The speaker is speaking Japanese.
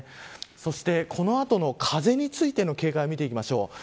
そして、この後の風についての警戒を見ていきましょう。